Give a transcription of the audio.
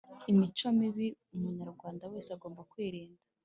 imico mibi umunyarwanda wese agomba kwirinda